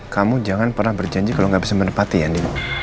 kamu jangan pernah berjanji kalau gak bisa menepati ya nin